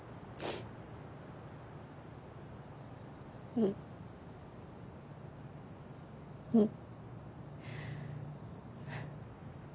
うんうん。